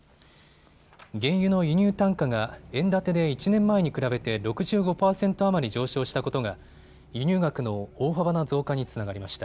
原油の輸入単価が円建てで１年前に比べて６５％余り上昇したことが輸入額の大幅な増加につながりました。